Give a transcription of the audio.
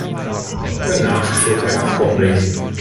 Danach zog er nach Bombay.